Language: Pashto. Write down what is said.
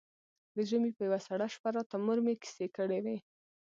د ژمي په يوه سړه شپه راته مور مې کيسې کړې وې.